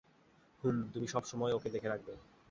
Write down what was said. হুম, তুমি সবসময় ওকে দেখে রাখবে।